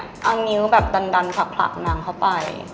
เอานิ้วแบบดันผลักนางเข้าไป